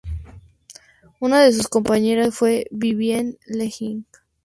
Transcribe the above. Una de sus compañeras de clase fue Vivien Leigh.